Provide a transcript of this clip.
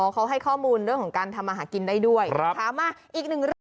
เขาให้ข้อมูลเรื่องของการทำอาหารกินได้ด้วยถามมาอีกหนึ่งเรื่อง